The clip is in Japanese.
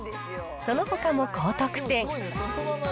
そのほかも高得点。